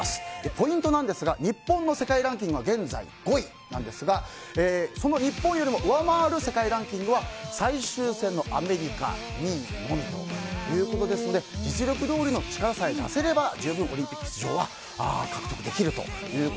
ポイントは日本の世界ランキングは現在５位ですがその日本よりも上回る世界ランキングは最終戦の２位、アメリカのみということですので実力どおりの力さえ出せればオリンピック出場は獲得できると。